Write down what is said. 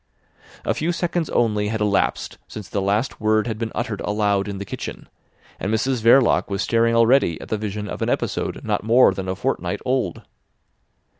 A few seconds only had elapsed since the last word had been uttered aloud in the kitchen, and Mrs Verloc was staring already at the vision of an episode not more than a fortnight old.